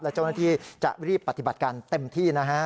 และเจ้าหน้าที่จะรีบปฏิบัติการเต็มที่นะฮะ